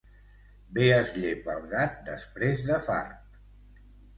Bé es llepa el gat després de fart.